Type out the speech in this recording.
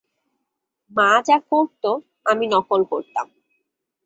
মা যা করত, আমি নকল করতাম।